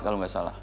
kalau gak salah